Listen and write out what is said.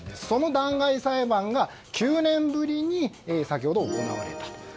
その弾劾裁判が９年ぶりに先ほど行われたと。